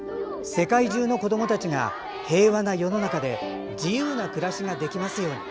世界中の子どもたちが、平和な世の中で自由な暮らしができますように。